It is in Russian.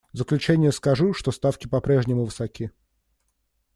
В заключение скажу, что ставки по-прежнему высоки.